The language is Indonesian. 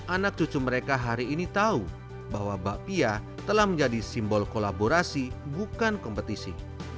anak cucu mereka hari ini tahu bahwa bakpia telah menjadi simbol kolaborasi bukan kompetisi